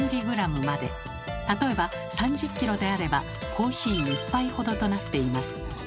例えば３０ｋｇであればコーヒー１杯ほどとなっています。